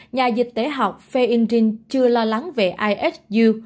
nhà dịch tế học feindring chưa lo lắng về ihu